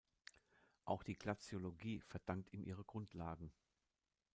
Auch die Glaziologie verdankt ihm ihre Grundlagen.